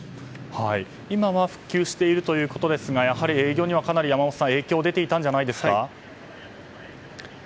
今は復旧しているということですがやはり営業には、かなり影響が出ていたんじゃないですか？